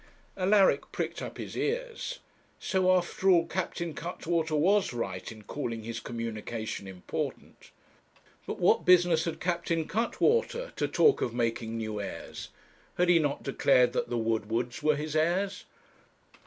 Alaric pricked up his ears. So after all Captain Cuttwater was right in calling his communication important. But what business had Captain Cuttwater to talk of making new heirs? had he not declared that the Woodwards were his heirs?